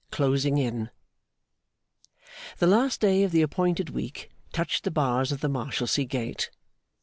Closing in The last day of the appointed week touched the bars of the Marshalsea gate.